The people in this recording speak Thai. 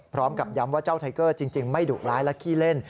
พร้อมกับย้ำว่าเจ้าไทเกอร์จริงไม่ดุร้ายและขี้เล่น